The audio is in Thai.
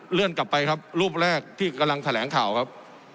กลับไปครับรูปแรกที่กำลังแถลงข่าวครับ